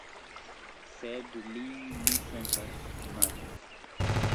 Sed li, mi sentas, imagis.